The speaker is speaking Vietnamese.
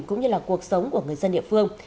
cũng như là cuộc sống của người dân địa phương